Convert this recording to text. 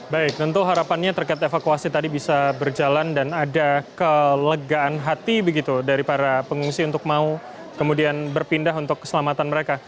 baik tentu harapannya terkait evakuasi tadi bisa berjalan dan ada kelegaan hati begitu dari para pengungsi untuk mau kemudian berpindah untuk keselamatan mereka